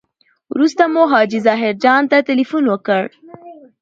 وروسته مو حاجي ظاهر جان ته تیلفون وکړ.